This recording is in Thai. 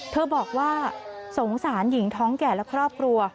บอกว่าสงสารหญิงท้องแก่และครอบครัว